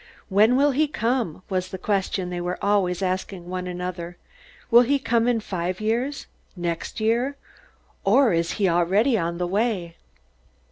"When will he come?" was the question they were always asking one another. "Will he come in five years? next year? Or is he already on his way?"